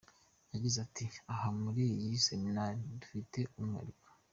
Yagize ati “Aha muri iyi Seminari dufite umwihariko.